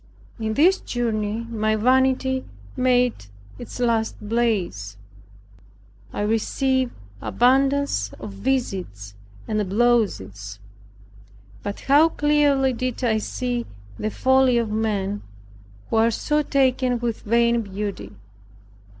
In this journey my vanity made its last blaze. I received abundance of visits and applauses. But how clearly did I see the folly of men who are so taken with vain beauty!